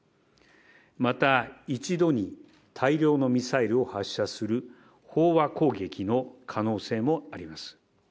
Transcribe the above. また、一度に大量のミサイルを発射する飽和攻撃の可能性もあります。